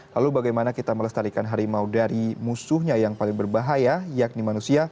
lalu bagaimana kita melestarikan harimau dari musuhnya yang paling berbahaya yakni manusia